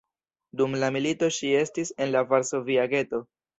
Dum la milito ŝi estis en la Varsovia geto.